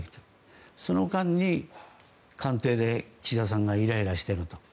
その間に、官邸で岸田さんがイライラしていると。